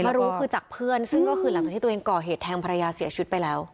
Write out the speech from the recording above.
มารู้คือจากเพื่อนที่ตัวเองก่อเหตุแทงภรรยาเสียชุดไปแล้ว